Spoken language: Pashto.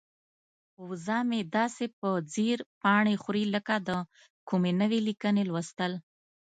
وزه مې داسې په ځیر پاڼې خوري لکه د کومې نوې لیکنې لوستل.